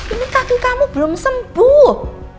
ini kaki kamu belum sembuh